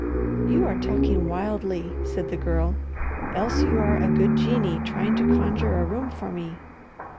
"You are talking wildly," said the Girl, "else you are a good genie trying to conjure a room for me."